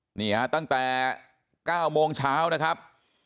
นี่ฮะตั้งแต่๙โมงเช้านะครับ